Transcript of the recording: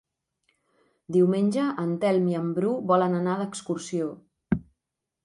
Diumenge en Telm i en Bru volen anar d'excursió.